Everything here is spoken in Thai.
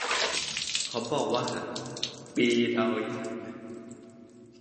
บอกว่า ปีเดายากนะ